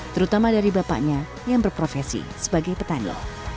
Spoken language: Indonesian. terutama dari bapaknya yang berprofesi sebagai petani